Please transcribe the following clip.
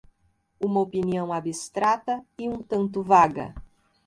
uma opinião abstrata e um tanto vaga